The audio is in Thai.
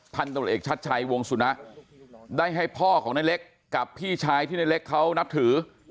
ตรวจเอกชัดชัยวงสุนะได้ให้พ่อของในเล็กกับพี่ชายที่ในเล็กเขานับถือ